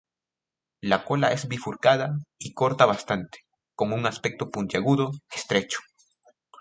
La cola es bifurcada y corta bastante, con un aspecto puntiagudo, estrecho.